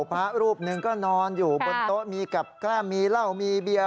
พระรูปหนึ่งก็นอนอยู่บนโต๊ะมีกับแก้มมีเหล้ามีเบียร์